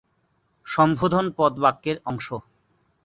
সম্বোধন পদ বাক্যের অংশ।